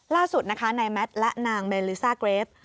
ล่าสุดนะคะนายแมทและนางเมลิซ่าเกรฟ